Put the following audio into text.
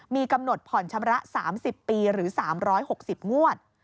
มีกำหนดผ่อนชำระ๓๐ปีหรือ๓๖๐งวด